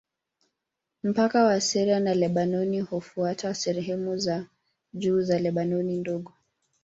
Mpaka wa Syria na Lebanoni hufuata sehemu za juu za Lebanoni Ndogo.